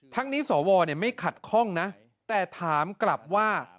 ทั้งนี้สวไม่ขัดข้องนะแต่ถามกลับว่า